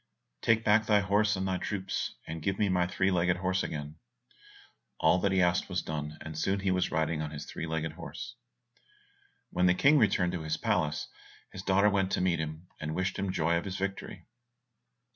"Take back thy horse and thy troops, and give me my three legged horse again." All that he asked was done, and soon he was riding on his three legged horse. When the King returned to his palace, his daughter went to meet him, and wished him joy of his victory.